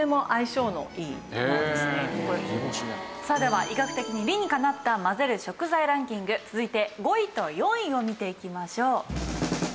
さあでは医学的に理にかなった混ぜる食材ランキング続いて５位と４位を見ていきましょう。